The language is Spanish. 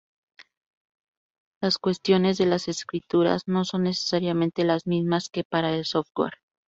Las cuestiones de las escrituras no son necesariamente las mismas que para el software.